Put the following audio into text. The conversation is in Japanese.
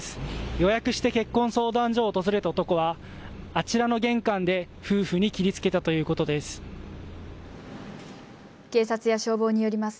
予約して結婚相談所を訪れた男はあちらの玄関で夫婦に切りつけたということです。